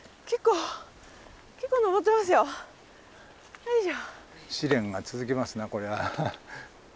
よいしょ。